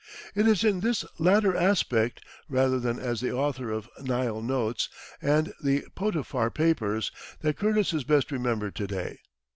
It is in this latter aspect, rather than as the author of "Nile Notes" and "The Potiphar Papers," that Curtis is best remembered to day.